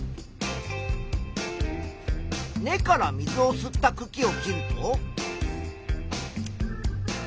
根から水を吸ったくきを切ると。